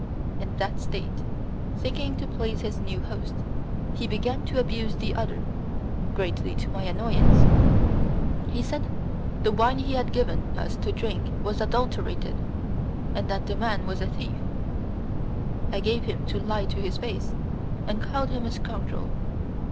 In that state, thinking to please his new host, he began to abuse the other, greatly to my annoyance; he said the wine he had given us to drink was adulterated, and that the man was a thief. I gave him the lie to his face, and called him a scoundrel.